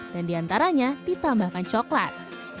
dan diantaranya ditambahkan coklat